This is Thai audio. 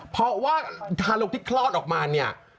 เพราะว่าทารกที่คลอดออกมาเนี่ย